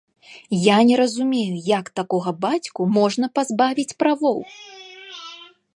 Я не разумею, як такога бацьку можна пазбавіць правоў!